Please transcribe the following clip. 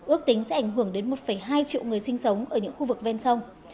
ước tính sẽ ảnh hưởng đến một hai triệu người sinh sống ở những khu vực ven sông